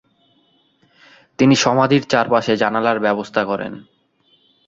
তিনি সমাধির চারপাশে জানালার ব্যবস্থা করেন।